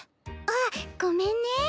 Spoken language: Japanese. あっごめんね。